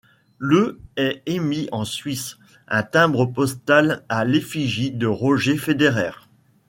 Le est émis en Suisse un timbre postal à l’effigie de Roger Federer.